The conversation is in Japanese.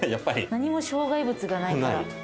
何も障害物がないから。